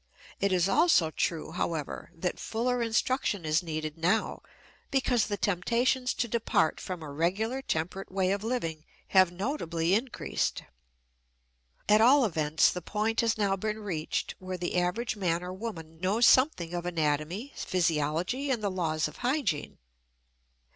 It is also true, however, that fuller instruction is needed now because the temptations to depart from a regular, temperate way of living have notably increased. At all events the point has now been reached where the average man or woman knows something of anatomy, physiology, and the laws of hygiene.